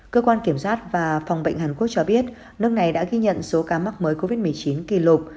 cơ quan kiểm soát và phòng bệnh hàn quốc cho biết nước này đã ghi nhận số ca mắc mới covid một mươi chín kỷ lục